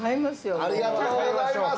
◆ありがとうございます。